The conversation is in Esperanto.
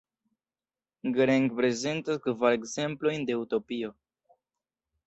Green prezentas kvar ekzemplojn de utopio.